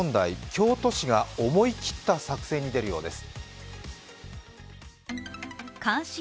京都市が思い切った作戦に出るようです。